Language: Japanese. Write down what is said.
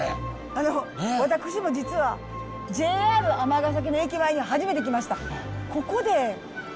あの私も実はＪＲ尼崎の駅前には初めて来ました。